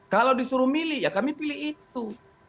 kalau disuruh milih ya kami pilih itu